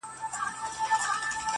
زرافه هم ډېره جګه وي ولاړه؛